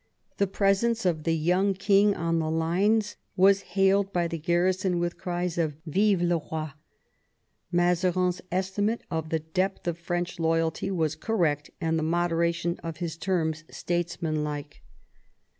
The presence of the young king on the lines was hailed by the garrison with cries of "Vive le Roi'' Mazarin's estimate of the depth of French loyalty was correct, and the moderation of his terms statesmanlike.